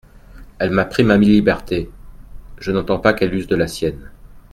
Elle m'a pris ma liberté, je n'entends pas qu'elle use de la sienne.